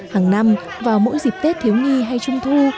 hằng năm vào mỗi dịp tết thiếu nghi hay trung thu